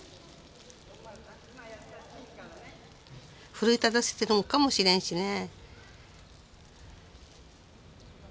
奮い立たせてるのかもしれんしね。